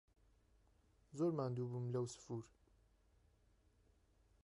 زۆر ماندوو بوم لهو سهفور